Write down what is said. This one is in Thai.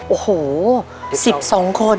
โอ้โหสิบสองคน